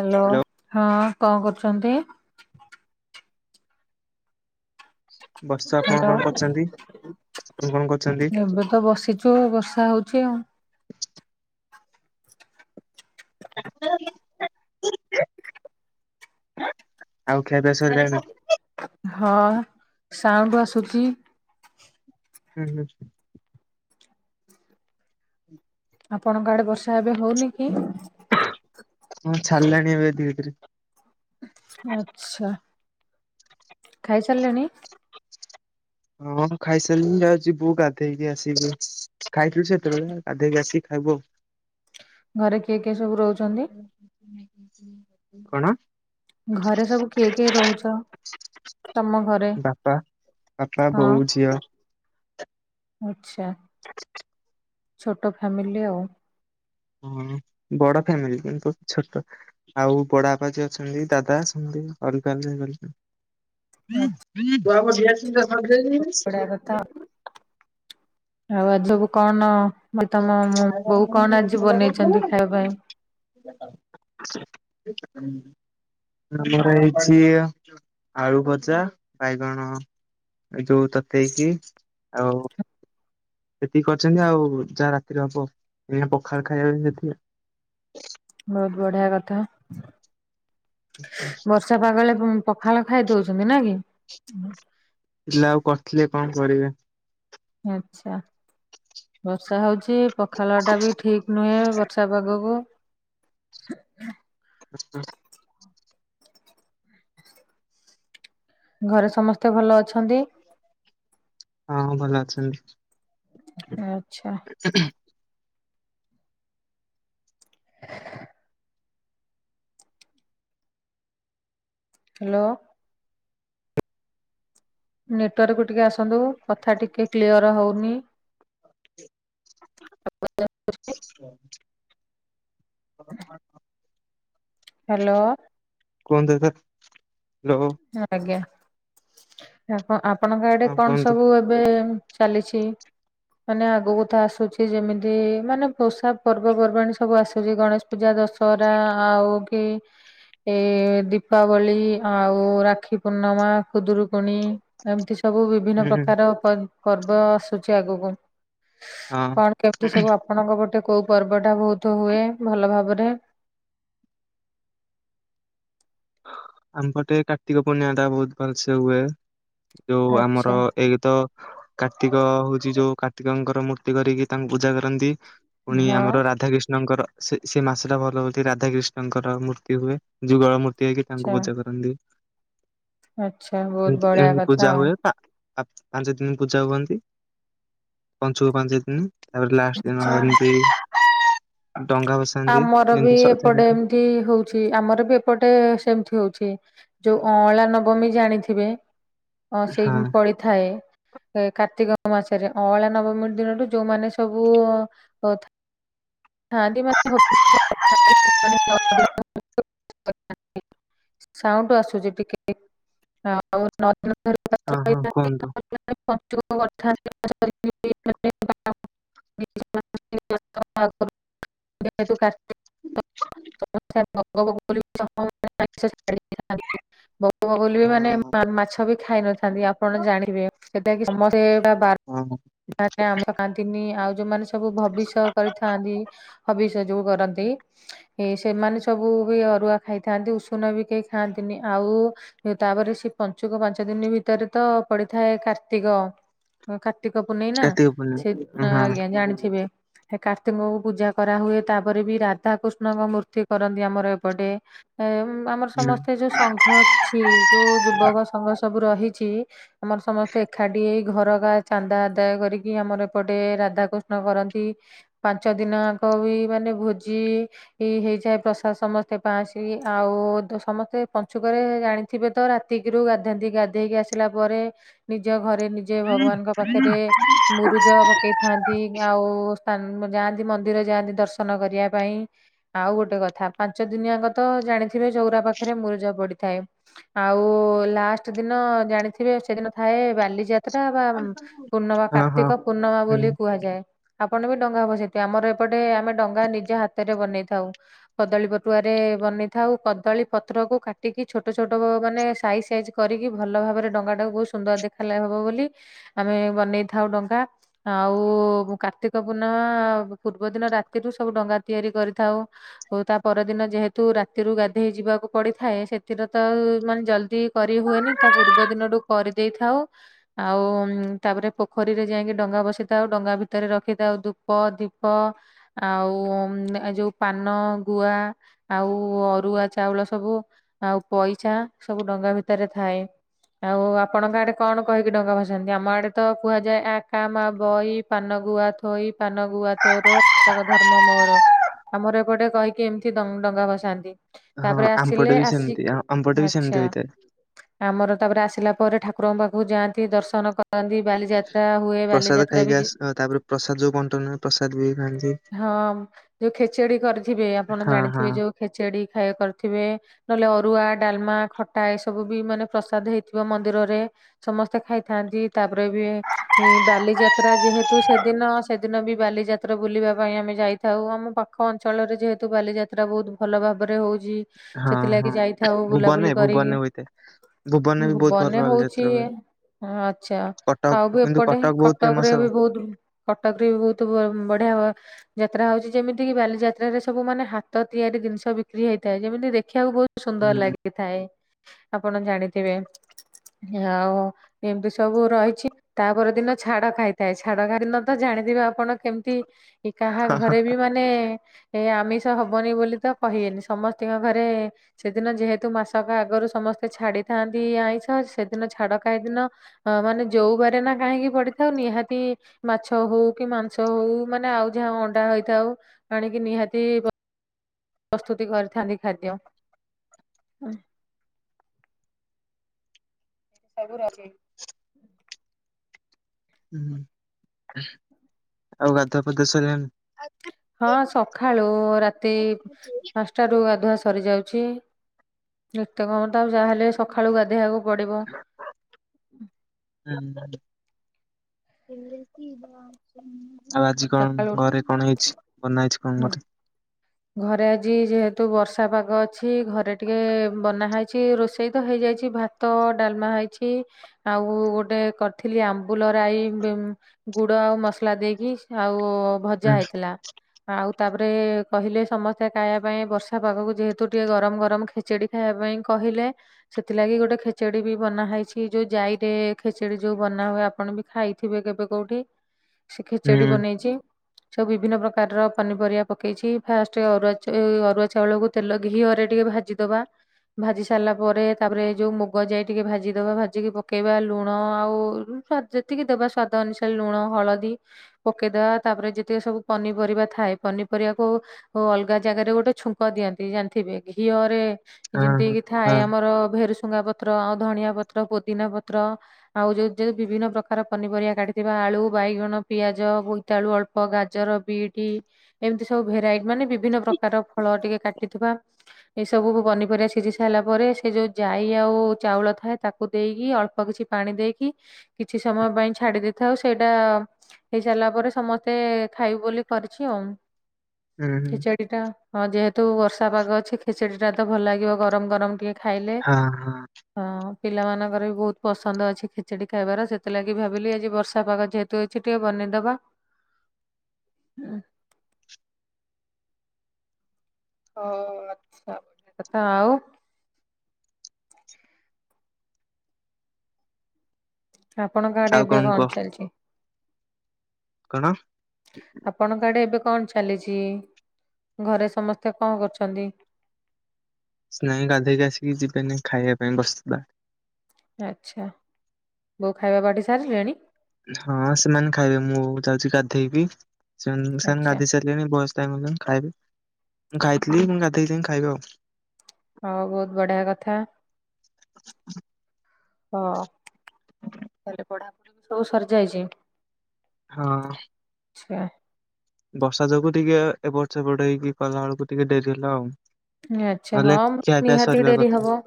Hello. Hello ହଁ କଣ କରୁଛନ୍ତି? ବସ୍ତ ଆପଣ ହ୍ୟାଲୋ କଣ କରୁଛନ୍ତି? ଆପଣ କଣ କରୁଛନ୍ତି? ଏବେ ତ ବସି ଯୋଉ ବର୍ଷା ହଉଛି ଆଉ। [inaudible] ଆଉ ଖିଆ ପିଆ ସରିଲାଣି? ହଁ ସାଉଣ୍ଡ ଆସୁଛି। ହୁଁ ହୁଁ [inaudible] ଆପଣଙ୍କ ଆଡେ ବର୍ଷା ଏବେ ହଉନି କି? ହଁ ଛାଡ଼ିଲାଣି ଏବେ ଧୀରେ ଧୀରେ। ଆଚ୍ଛା। ଖାଇସାରିଲେଣି? ହଁ ମୁଁ ଖାଇସାରିଲିନି ଯାଉଛି ଯିବୁ ଗାଧେଇକି ଆସିବୁ। ଖାଇଥିଲୁ ସେତେବେଳେ ଗାଧେଇକି ଆସିକି ଖାଇବୁ ଆଉ। ଘରେ କିଏ କିଏ ସବୁ ରହୁଛନ୍ତି? କଣ? ଘରେ ସବୁ କିଏ କିଏ ରହୁଛ? ତମ ଘରେ ବାପା ବାପା ହଁ? ବୋଉ ଝିଅ ଆଚ୍ଛା। ଛୋଟ ଫ୍ୟାମିଲି ଆଉ। ହଁ ବଡ ଫ୍ୟାମିଲି କିନ୍ତୁ ଛୋଟ ଆଉ ବଡବାପା ଜିଏ ଅଛନ୍ତି ଦାଦା ଅଛନ୍ତି ଅଲଗା [inaudible] [inaudible] ବଢିଆ କଥା ଆଉ ଆଉ ଆଜି ସବୁ କନ ମୁଁ କଇଲି ତମ ବୋଉ କଣ ଆଜି ବନେଇଛନ୍ତି ଖାଇବା ପାଇଁ? [inaudible] ଆମର ହେଇଛି ଆଳୁ ଭଜା ବାଇଗଣ ଯୋଉ ତତେଇକିି ଆଉ ହେତିକି କରିଛନ୍ତି ଆଉ ଯାହା ରାତିରେ ହବ ଏଇନେ ପଖାଳ ଖାଇବା ପାଇଁ ଏତିକି ଆଉ। ବହୁତ ବଢିଆ କଥା ଆଉ। ବର୍ଷା ପାଗ ହେଲେ ପଖାଳ ଖାଇ ଦଉଛନ୍ତି ନା କି? ଥିଲା ଆଉ କରିଥିଲେ କଣ କରିବେ? ଆଚ୍ଛା। ବର୍ଷା ହଉଛି ପଖାଳ ଟା ବି ଠିକ ନୁହେଁ ବର୍ଷା ପାଗକୁ। [inaudible] ଘରେ ସମସ୍ତେ ଭଲ ଅଛନ୍ତି। ହଁ ଭଲ ଅଛନ୍ତି। ଆଚ୍ଛା। [inaudible] ହ୍ୟାଲୋ। ନେଟୱାର୍କକୁୁ ଟିକେ ଆସନ୍ତୁ କଥା ଟିକେ କ୍ଲିଅର ହଉନି। ହ୍ୟାଲୋ। କୁହନ୍ତୁ ଏବେ ହ୍ୟାଲୋ। [inaudible] ଆଜ୍ଞା ଆ ଆପଣଙ୍କ ଆଡେ ହଁ କଣ କୁହନ୍ତୁ ସବୁ ଏବ ଏବେ ଚାଲିଛି ମାନେ ଆଗକୁ ତ ଆସୁଛି ଯେମିତି ମାନେ ପୋଷା ପର୍ବପର୍ବାଣି ସବୁ ଆସୁଛି ଗଣେଶ ପୂଜା, ଦଶହରା ଆଉ କି ଏ ଦୀପାବଳି ଆଉ ଓ ରାକ୍ଷୀ ପୂର୍ଣ୍ଣିମା, ଖୁଦୁରୁକୁଣି ଏମିତି ସବୁ ବିଭିନ୍ନ ହୁଁ ହୁଁ ହଁ। ପ୍ରକାର। ପର ପର୍ବ ଆସୁଛି ଆଗକୁ କଣ କେମିତି ସବୁ ଆପ ଆପଣଙ୍କ ପଟେ କୋଉ ପର୍ବଟା ବହୁତ ହୁଏ ଭଲ ଭାବରେ? ଆମପଟେ କାର୍ତ୍ତିକ ପୂର୍ଣ୍ଣିମାଟା ବହୁତ ଭଲସେ ହୁଏ ଯୋଉ ଆଚ୍ଛା ଆମର ଏଇୀତ କାର୍ତ୍ତିକ ହଉଛି ଯୋଉ କାର୍ତ୍ତିକଙ୍କର ମୂର୍ତ୍ତି କରିକି ତାଙ୍କୁ ପୂଜା କରନ୍ତି। ପୁଣି ହଁ ଆମର ଆଚ୍ଛା ରାଧାକିଷ୍ଣଙ୍କର ସେ ସେ ମାସଟା ଭଲ ହଉଛି ରାଧାକିଷ୍ଣଙ୍କର ମୂର୍ତ୍ତି ହୁଏ ଯୁଗଳ ମୂର୍ତ୍ତି। [unintelligible] ତାଙ୍କୁ ପୂଜା କରନ୍ତି ଆଚ୍ଛା ବହୁତ ବଢିଆ ଏମିତି କଥା ପୂଜା ଆଉ। ହୁଏ। ପାଞ୍ଚ ଦିନ ପୂଜା ହୁଅନ୍ତି ପଞ୍ଚୁକ ପାଞ୍ଚ ଦିନ। ତାପରେ ଲାଷ୍ଟ ଦିନ ଆଚ୍ଛା [inaudible] ଡଙ୍ଗା ଭସାନ୍ତି ଆମର ବି ଯେମିତି ସଜାରେ। ଏପଟେ ଏମତି ହଉଛି ଆମର ବି ଏପଟେ ସେମିତି ହଉଛି। ଯୋଉ ଅଁଳା ନବମୀ ଜାଣିଥିବେ ଅ ସେଇ ହଁ ପଳିଥାଏ। ଏ କାର୍ତ୍ତିକ ମାସରେ ଅଁଳା ନବମୀ ଦିନରୁୁ ଯୋଉମାନେ ସବୁ [inaudible] ସାଉଣ୍ଡ ଆସୁଛି ଟିକେ ହଁ। [inaudible] ହଁ ହଁ କୁହନ୍ତୁ। [inaudible] [inaudible] [inaudible] ବଗବବୁଲି ବି ମାନେ ହଁ ମା ମାଛ ବି ଖାଇ ନଥାନ୍ତି ଆପଣ ଜାଣିବେ। [inaudible] କି ସମସ୍ତେ ବାଥ ହଁ ହଁ। ସେ ଆମେ ଖାଆନ୍ତିନି ଆଉ ଯୋଉମାନେ ସବୁ ଭବିଷ୍ୟ କରିଥାନ୍ତି ହବିଷ୍ୟତ। ଯୋଉ କରନ୍ତି ଏ ସେମାନେ ସବୁ ବି ଅରୁଆ ଖାଇଥାନ୍ତି ଉଷୁନା ବି କେହି ଖାଆନ୍ତିନି। ଆଉ ତାପରେ ସେ ପଞ୍ଚୁକ ପାଞ୍ଚ ଦିନ ଭିତରେ ତ ପଡିଥାଏ କାର୍ତ୍ତିକ କାର୍ତ୍ତିକ ପୁନେଇ ନା କାର୍ତ୍ତିକ ସେ ପୂର୍ଣ୍ଣିମା ହଁ ଆଜ୍ଞା ଜାଣିଥିବେ। ସେ କାର୍ତ୍ତିକଙ୍କୁ ପୂଜା କରାହୁଏ ତାପରେ ବି ରାଧାକୃଷ୍ଣଙ୍କ ମୂର୍ତ୍ତି କରନ୍ତି ଆମର ଏପଟେ। ଏ ଆମର ହୁଁ। ସମସ୍ତେ ଯୋଉ ସଂଘ ଅଛି ଯୋଉ ଯୁବକ ସଂଘ ସବୁ ରହିଛି ଆମର ସମସ୍ତେ ଏକାଠି ହେଇ ଘର କା ଚାନ୍ଦା ଆଦାୟ କରିକି ଆମର ଏପଟେ ରାଧାକୃଷ୍ଣ କରନ୍ତି। ପାଞ୍ଚ ଦିନଆଙ୍କ ବି ମାନେ ଭୋଜି ଏ ହେଇଯାଏ ପ୍ରସାଦ ସମସ୍ତେ ପାଆନ୍ତି ଆଉ ସମସ୍ତେ ପଞ୍ଚୁକରେ ଜାଣି ଥିବେ ତ ରାତିକିରୁ ଗାଧନ୍ତି ଗାଧେଇକି ଆସିଲା ପରେ ନିଜ ଘରେ ନିଜେ ଭଗବାନଙ୍କ ପାଖରେ ମୁରୁଜ ପକେଇଥାନ୍ତି ସ୍ଥାନ ଆଉ ଯାଆନ୍ତି ମନ୍ଦିର ଯାଆନ୍ତି ଦର୍ଶନ କରିବା ପାଇଁ। ଆଉ ଗୋଟେ କଥା ପାଞ୍ଚ ଦିନିଆଙ୍କ ତ ଜାଣିଥିବେ ଚଉରା ପାଖରେ ମୁରୁଜ ପଡିଥାଏ। ଆଉ ଲାଷ୍ଟ ଦିନ ଜାଣିଥିବେ ସେଦିନ ଥାଏ ବାଲିଯାତ୍ରା ବା ପୂର୍ଣ୍ଣମା ହଁ ହଁ କାର୍ତ୍ତିକ ପୂର୍ଣ୍ଣମା ବୋଲି ହୁଁ କୁହାଯାଏ। ଆପଣ ବି ଡଙ୍ଗା ଭସେଇଥିବେ ଆମର ଏପଟେ ଆମେ ଡଙ୍ଗା ନିଜେ ହାତରେ ବନେଇଥାଉ। କଦଳୀ ପଟୁଆ ରେ ବନେଇଥାଉ। କଦଳୀ ପତ୍ର କୁ କାଟିକି ଛୋଟ ଛୋଟ ମାନେ ସାଇଜ ସାଇଜ କରିକି ଭଲ ଭାବରେ ଡଙ୍ଗା ଟାକୁ ବହୁତ ସୁନ୍ଦର ଦେଖାଲା ହବ ବୋଲି ଆମେ ବନେଇଥାଉ ଡଙ୍ଗା। ଆଉ କାର୍ତ୍ତିକ ପୂର୍ଣ୍ଣମା ପୂର୍ବ ଦିନ ରାତିରୁ ସବୁ ଡଙ୍ଗା ତିଆରି କରିଥାଉ। ଓଉ ତା ପରଦିନ ଯେହେତୁ ରାତିରୁ ଗାଧେଇ ଯିବାକୁ ପଡିଥାଏ ସେଥିରେ ତ ମାନେ ଜଲଦି କରି ହୁଏନି ତା ପୂର୍ବ ଦିନଠୁ କରିଦେଇଥାଉ। ଆଉ ତାପରେ ପୋଖରୀରେ ଯାଇକି ଡଙ୍ଗା ବସିଥାଉ। ଡଙ୍ଗା ଭିତରେ ରଖିଥାଉ ଧୂପ ଦୀପ ଆଉ ଏ ଯୋଉ ପାନ ଗୁଆ ଆଉ ଅରୁଆ ଚାଉଳ ସବୁ ଆଉ ପଇସା ସବୁ ଡଙ୍ଗା ଭିତରେ ଥାଏ। ଆଉ ଆପଣଙ୍କ ଆଡେ କଣ କହିକି ଡଙ୍ଗା ଭସାନ୍ତି? ଆମ ଆଡେ ରେ ତ କୁହାଯାଏ ଆ କା ମା ବଇ ପାନ ଗୁଆ ଥୋଇ ପାନ ଗୁଆ ତୋର ମାସକ ଧର୍ମ ମୋର ଆମର ଏପଟେ କହିକି ଏମିତି ଡ଼ ଡଙ୍ଗା ଭସାନ୍ତି। ହଁ ତାପରେ ଆମ୍ପଟେ ଆସିଲେ ବି ଆସି ସେମିତି ଆମ୍ପଟେ ବି ସେମିତି ଆଛା। ହୋଇଥାଏ। ଆମର ତାପରେ ଆସିଲା ପରେ ଠାକୁରଙ୍କ ପାଖକୁ ଯାଆନ୍ତି ଦର୍ଶନ ଆସନ୍ତି ବାଲି ଯାତ୍ରା ହୁଏ ବାଲି ପ୍ରସାଦ ଯାତ୍ରା ଖାଇକି ବି ଆସ ତାପରେ ପ୍ରସାଦ ଯୋଉ ବଣ୍ଟନ ପ୍ରସାଦ ବି ଖାଆନ୍ତି ହଁ ଯୋଉ ଖେଚେଡି କରିଥିବେ ଆପଣ ହଁ ହଁ। ଜାଣିଥିବେ ଯୋଉ ଖେଚେଡି ଖାଇବା କରିଥିବେ। ନହେଲେ ଅରୁଆ ଡାଲମା ଖଟା ଏସବୁ ବି ମାନେ ପ୍ରସାଦ ହେଇଥିବ ମନ୍ଦିରରେ। ସମସ୍ତେ ଖାଇଥାନ୍ତି ତାପରେ ବି ହିଁ ବାଲିଯାତ୍ରା ଯେହେତୁ ସେଦିନ ସେଦିନ ବି ବାଲିଯାତ୍ରା ବୁଲିବା ପାଇଁ ଆମେ ଯାଇଥାଉ ଆମ ଅଞ୍ଚଳରେ ଯେହେତୁ ବାଲିଯାତ୍ରା ବହୁତୁ ଭଲ ଭାବରେ ହଉଚି। ହଁ ସେଥିଲାଗି ହଁ ଯାଇଥାଉ ବୁଲାବୁଲି ଭୁବନରେ କରି ଭୁବନରେ ହୋଇଥାଏ ଭୁବନରେ ବି ବହୁତ ଭଲ ବନେ ଭଲ ହଉଚି ଯାତ୍ରା ହୁଏ। ଆଚ୍ଛା ଆଉ କଟକ ବି କିନ୍ତୁ ଏପଟେ ବହୁତ କଟକ ଫେମସ ରେ ଆଉ ବି ବହୁତୁ କଟକରେ ବି ବହୁତୁ ବ ବଢିଆ ଯାତ୍ରା ହଉଚି ଯେମିତି କିି ବାଲିଯାତ୍ରାରେ ସବୁ ମାନେ ହାତ ତିଆରି ଜିନିଷ ବିକ୍ରି ହେଇଥାଏ ଯେମିତି ଦେଖିବାକୁ ବହୁତୁ ସୁନ୍ଦର ହୁଁ ଲାଗିଥାଏ ଆପଣ ଜାଣିଥିବେ ଆଉ ଏମିତି ସବୁ ରହିଛି ତାପର ଦିନ ଛାଡ ଖାଇଥାଏ ଛାଡ ଖାଇ ଦିନ ତ ଜାଣିଥିବେ ଆପଣ କେମିତି କି କାହା ହଁ ଘରେ ବି ମା ମାନେ ଏ ଆମିଷ ହବନି ବୋଲି ତ କହିବେନି ସମସ୍ତିଙ୍କ ଘରେ ସେଦିନ ଯେହେତୁ ମାସକ ଆଗରୁ ସମସ୍ତେ ଛାଡିଥାନ୍ତି ଆଇଁଷ ସେଦିନ ଛାଡ ଖାଇ ଦିନ ହଁ ମାନେ ଯୋଉ ବାରେ ନା କାହିଁକି ପଡିିଥାଉ ନିହାତି ମାଛ ହଉ କି ମାଂସ ହଉ ମାନେ ଆଉ ଯାହା ଅଣ୍ଡା ହେଇଥାଉ ଆଣିକି ନିହାତି ପ୍ରସ୍ତୁତି କରିଥାନ୍ତି ଖାଦ୍ୟ। ସବୁ ରଵି। ହୁଁ ଆଉ ଗାଧୁଆ ପାଧୁଆ ସରିଲାନି? ହଁ ସକାଳୁ ରାତି ଟାରୁ ଗାଧୁଆ ସରିଯାଉଛି ଏତ୍ୟକର୍ମ ତା ଯାହାହେଲେ ସକାଳୁ ଗାଧୋଇବାକୁ ପଡ଼ିବ। ଉଁ। ଆଉ ଆଜି ସକାଳୁ କଣ ଘରେ କଣ ହେଇଛି ବନା ହେଇଛି କଣ ମତେ ଘରେ ଆଜି ଯେହେତୁ ବର୍ଷା ପାଗ ଅଛି ଘରେ ଟିକେ ବନାହଇଛି ରୋଷେଇ ତ ହେଇଯାଇଛି ଭା ତ ଡାଲମା ହେଇଛି ଆଉ ଗୋଟେ କରିଥିଲି ଆମ୍ବୁଲରାଇ ଗୁଡ ଆଉ ମସଲା ଦେଇକି ଆଉ ହୁଁ ଭଜା ହେଇଥିଲା ଆଉ ତାପରେ କହିଲେ ସମସ୍ତେ ଖାଇବା ପାଇଁ ବର୍ଷା ପାଗକୁ ଯେହେତୁ ଟିକେ ଗରମ ଗରମ ଖେଚେଡି ଖାଇବା ପାଇଁ କହିଲେ ସେଥିଲାଗି ଗୋଟେ ଖେଚେଡି ବି ବନା ହେଇଛି ଯୋଉ ଯାଇ ରେ ଖେଚେଡି ଯୋଉ ବନା ହୁଏ ଆପଣ ବି ଖାଇଥିବେ କେବେ କୋଉଠି? [inaudible] ସେ ଖେଚେଡି ବନେଇଛି ସବୁ ବିଭିନ୍ନ ପ୍ରକାରର ପନିପରିବା ପକେଇଛି। ଫାଷ୍ଟେ ଅରୁଆ ଅରୁଆ ଚାଉଳକୁ ତେଲ ଘିଅରେ ଟିକେ ଭାଜିଦବା। ଭାଜି ସାରିଲା ପରେ ତାପରେ ଯୋଉ ମୁଗ ଯାଇ ଟିକେ ଭାଜିଦବା ଭାଜିକି ପକେଇବା ଲୁଣ ଆଉ ଯେତିକି ଦେବା ସ୍ଵାଦ ଅନୁସାରେ ଲୁଣ ହଳଦୀ ପକେଇଦବା ତାପରେ ଯେତିକି ସବୁ ପନିପରିବା ଥାଏ ପନିପରିବାକୁ ଓ ଅଲଗା ଜାଗାରେ ଗୋଟେ ଛୁଙ୍କ ଦିଅନ୍ତି ଜାଣିଥିବେ ଘିଅରେ? ହଁ ଯେମିତି ହଁ କି ଥାଏ ହଁ ଆମର ଭେରୁସୁଙ୍ଗା ପତ୍ର ଆଉ ଧଣିଆ ପତ୍ର ପୋଦିନା ପତ୍ର ଆଉ ଯୋଉ ଯେଉ ବିଭିନ୍ନ ପ୍ରକାର ପନିପରିବା କାଟିଥିବା ଆଳୁ ବାଇଗଣ ପିଆଜ ତାଳୁ ଅଳ୍ପ ଗାଜର ବିଟ ଏମିତି ସବୁ ଭେରାଇଟି ମାନେ ବିଭିନ୍ନ ପ୍ରକାର ଫଳ ଟିକେ କାଟିଥିବା। ଏସବୁ ପନିପରିବା ସିଝି ସାରିଲା ପରେ ସେ ଯୋଉ ଜାଇ ଆଉ ଚାଉଳ ଥାଏ ତାକୁ ଦେଇକି ଅଳ୍ପ କିଛି ପାଣି ଦେଇକି କିଛି ସମୟ ପାଇଁ ଛାଡି ଦେଇଥାଉ ସେଇଟା ହେଇସାରିଲା ପରେ ସମସ୍ତେ ଖାଇ ବୋଲି କରିଛି ଆଉ ହୁଁ ହୁଁ ଖେଚେଡି ଟା ହଁ ଯେହେତୁ ବର୍ଷା ପାଗ ଅଛି ଖେଚଡି ଟା ତ ଭଲ ଲାଗିବ ଗରମ ଗରମ ଟିକେ ଖାଇଲେ ହଁ ପିଲାମାନଙ୍କର ବି ବହୁତ୍ ପସନ୍ଦ ଅଛି ଖେଚେଡି ଖାଇବାର ସେଥିଲାଗି ଭାବିଲି ଆଜି ବର୍ଷା ପାଗ ଯେହେତୁ ତୁ ଅଛି ଟିକିଏ ବନେଇଦବା। [inaudible] [inaudible] ହଉ ଆଚ୍ଛା କଥା ଆଉ ଆପଣଙ୍କ ଆଡେ ଆଉ ଏବେ କୁହ? କଣ ଚାଲିଚି? କଣ? ଆପଣଙ୍କ ଆଡେ ଏବେ କଣ ଚାଲିଚ? ଘରେ ସମସ୍ତେ କଣ କରୁଛନ୍ତି? କିଛି ନାଇଁ ଗାଧୋଇକି ଆସିକି ଯିବିନି ଖାଇବା ପାଇଁ ବସିଥିଲା। ଆଚ୍ଛା ବୋଉ ଖାଇବା ବାଢି ସାରିଲେଣି? ହଁ ସେମାନେ ଖାଇବେ ମୁଁ ଯାଉଚି ଗାଧେଇବି ସେ ସେମାନେ ଆଚ୍ଛା ଗାଧେଇ ସାର ତେଣେବୟସ୍ ଖାଇବେ ମୁଁ ଖାଇଥିଲି ମୁଁ ଗାଧେଇକି ଯାଇ ଖାଇବି ଆଉ। ହଉ ବହୁତ୍ ବଢିଆ କଥା। ହ ତାହେଲେ ପଢାପଢି ସବୁ ସରିଯାଇଚି? ହଁ। ଆଚ୍ଛା। ବର୍ଷା ଯୋଗୁ ଟିକିଏ ଏପଟ ସେପଟ ହେଇକି କଲା ବେଳକୁ ଟିକିଏ ଡେରି ହେଲା ଆଉ। ଆଚ୍ଛା ନହେଲେ ହଁ ଖିଆ ପିଆ ନିହାତି ସରିବା ଡେରି କଥା ହବ।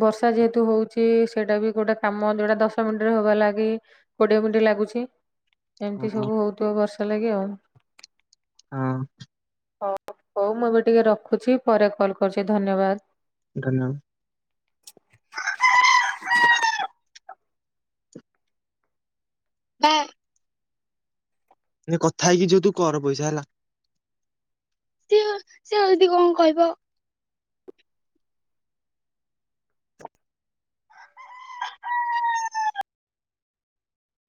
ବର୍ଷା ଯେହେତୁ ହୋଉଛି ସେଇଟା ବି ଗୋଟେ କାମ ଯୋଉଟା ଦଶ ମିନିଟ୍ ରେ ହବା ଲାଗି କୋଡିଏ ମିନିଟ୍ ଲାଗୁଚି। ହଁ ଏମିତି ସବୁ ହୋଉଥୁବ ବର୍ଷା ଲାଗି ଆଉ ହଁ। ହଉ ହଉ ମୁଁ ଏବେ ଟିକିଏ ରଖୁଚି ପରେ କଲ୍ କରୁଚି। ଧନ୍ୟବାଦ। ଧନ୍ୟ ହେ। କଥା ହେଇକି ଯିବୁ ତୁ କର ପଇସା ହେଲା। ପିଓର୍ ସେ ଏମିତି କଣ କହିବ? [unintelligible]